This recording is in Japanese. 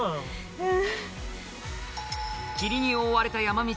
うん！